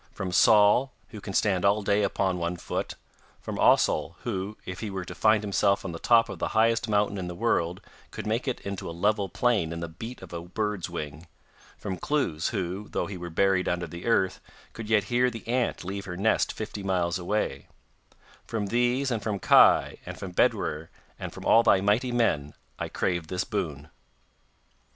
From Sol, who can stand all day upon one foot; from Ossol, who, if he were to find himself on the top of the highest mountain in the world, could make it into a level plain in the beat of a bird's wing; from Cluse, who, though he were buried under the earth, could yet hear the ant leave her nest fifty miles away: from these and from Kai and from Bedwyr and from all thy mighty men I crave this boon.